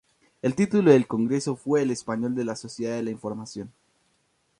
El título del Congreso fue "El español en la Sociedad de la Información".